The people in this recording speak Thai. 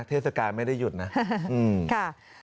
เทศกาลไม่ได้หยุดนะ